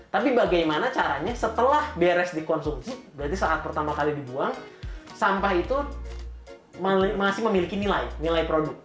tapi bagaimana caranya setelah beres dikonsumsi berarti saat pertama kali dibuang sampah itu masih memiliki nilai nilai produk